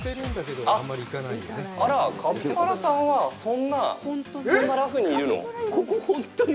あらぁ、カピバラさんは、そんな、そんなラフにいるの！？